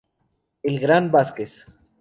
El gran Vázquez.